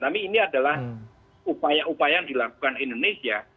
tapi ini adalah upaya upaya yang dilakukan indonesia